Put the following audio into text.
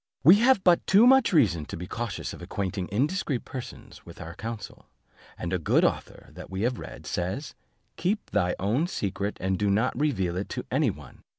We have but too much reason to be cautious of acquainting indiscreet persons with our counsel; and a good author that we have read, says, 'Keep thy own secret, and do not reveal it to any one.